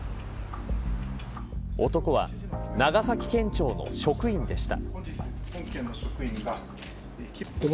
男は長崎県庁の職員でした。